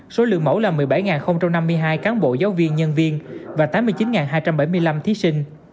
số lượng mẫu là một mươi bảy năm mươi hai cán bộ giáo viên nhân viên và tám mươi chín hai trăm bảy mươi năm thí sinh